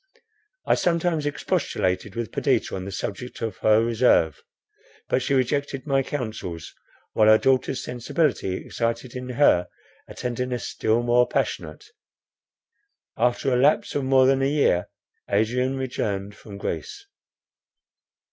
I sometimes expostulated with Perdita on the subject of her reserve; but she rejected my counsels, while her daughter's sensibility excited in her a tenderness still more passionate. After the lapse of more than a year, Adrian returned from Greece.